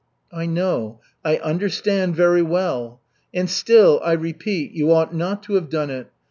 "I know, I understand very well. And still, I repeat, you ought not to have done it.